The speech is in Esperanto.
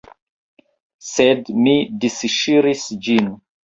Sed mi disŝiris ĝin.